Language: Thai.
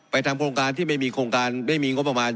ทำโครงการที่ไม่มีโครงการไม่มีงบประมาณ